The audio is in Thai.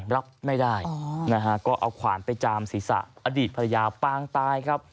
รับไม่ได้นะฮะก็เอาขวานไปจามศีรษะอดีตภรรยาปางตายครับ